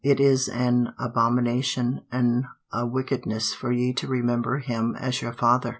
It is an abomination an' a wickedness for ye to remember him as your father!"